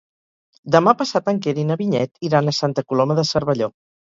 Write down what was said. Demà passat en Quer i na Vinyet iran a Santa Coloma de Cervelló.